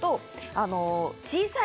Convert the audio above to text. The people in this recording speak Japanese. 小さい！